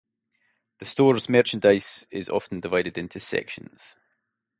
The store's merchandise is often divided into sections.